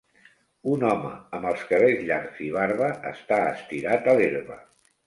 Un home amb els cabells llargs i barba està estirat a l'herba.